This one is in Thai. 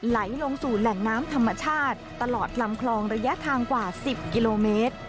ไหลลงสู่แหล่งน้ำธรรมชาติตลอดลำคลองระยะทางกว่า๑๐กิโลเมตร